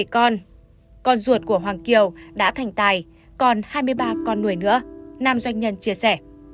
con con ruột của hoàng kiều đã thành tài còn hai mươi ba con nuôi nữa nam doanh nhân chia sẻ